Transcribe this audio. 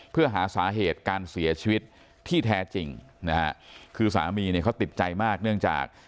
เพื่อหาสาเหตุการเสียชีวิตที่แท้จริงนะฮะคือสามีเนี่ยเขาติดใจมากเนื่องจาก